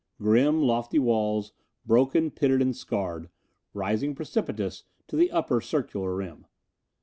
Grim, lofty walls, broken, pitted and scarred, rising precipitous to the upper circular rim.